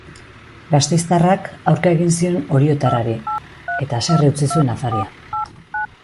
Gasteiztarrak aurka egin zion oriotarrari, eta haserre utzi zuen afaria.